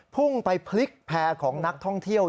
พุ่งไปพลิกแพร่ของนักท่องเที่ยว